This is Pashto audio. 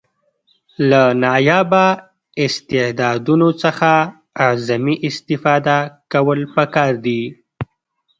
له نایابه استعدادونو څخه اعظمي استفاده کول پکار دي.